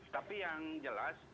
tapi yang jelas